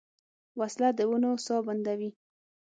وسله د ونو ساه بندوي